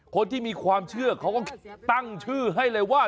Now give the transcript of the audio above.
คนที่มีความเชื่อเขาก็ตั้งชื่อให้เลยว่า